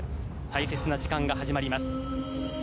大切な時間が始まります。